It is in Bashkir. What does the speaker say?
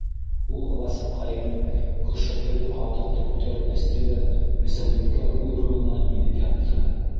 Ул, аласыҡҡа инеп, көршәктәге ҡатыҡты күтәреп эсте лә бесәнлеккә, үҙ урынына, инеп ятты.